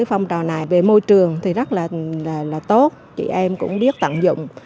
phong trào này về môi trường thì rất là tốt chị em cũng biết tận dụng